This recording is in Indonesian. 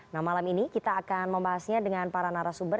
nah malam ini kita akan membahasnya dengan para narasumber